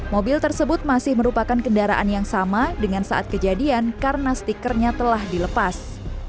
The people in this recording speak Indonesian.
mobil tersebut masih merupakan kendaraan yang sama dengan saat kejadian karena stikernya telah dilepas